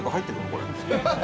これ。